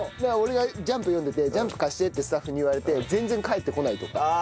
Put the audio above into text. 俺が『ジャンプ』読んでて「『ジャンプ』貸して」ってスタッフに言われて全然返ってこないとか。